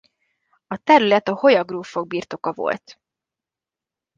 A terület a Hoya grófok birtoka volt.